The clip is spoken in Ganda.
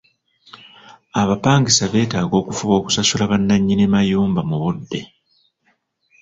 Abapangisa beetaaga okufuba okusasula bannannyini mayumba mu budde.